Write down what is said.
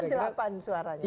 kan delapan suaranya